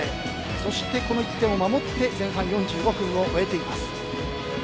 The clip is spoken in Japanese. そして、この１点を守って前半４５分を終えています。